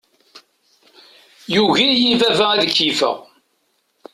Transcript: Yugi-iyi baba ad keyyefeɣ.